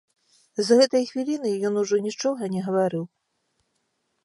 З гэтай хвіліны ён ужо нічога не гаварыў.